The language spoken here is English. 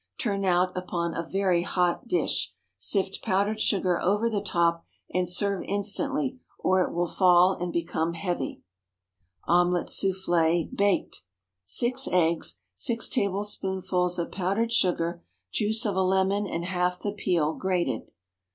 Turn out upon a very hot dish, sift powdered sugar over the top, and serve instantly, or it will fall and become heavy. Omelette Soufflée—(Baked.) 6 eggs. 6 tablespoonfuls of powdered sugar. Juice of a lemon and half the peel, grated.